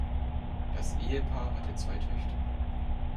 Das Ehepaar hatte zwei Töchter.